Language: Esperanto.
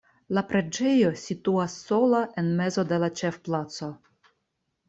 La preĝejo situas sola en mezo de la ĉefplaco.